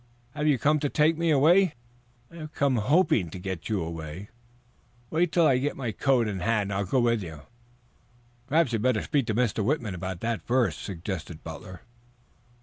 "Have you come to take me away?" "I have come hoping to get you away." "Wait till I get my coat and hat and I'll go with you." "Perhaps you had better speak to Mr. Whitman about that first," suggested Butler.